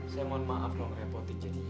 saya mohon maaf dong repotin jadi ini